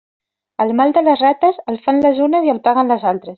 El mal de les rates, el fan les unes i el paguen les altres.